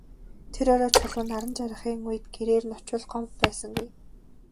Тэр орой Чулуун наран жаргахын үед гэрээр нь очвол Гомбо байсангүй.